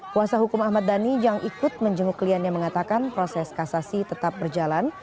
kuasa hukum ahmad dhani yang ikut menjenguk kliennya mengatakan proses kasasi tetap berjalan